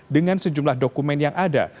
dengan sejumlah dokumen yang ada